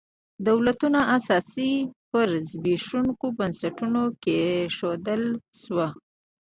دولتونو اساس پر زبېښونکو بنسټونو کېښودل شو.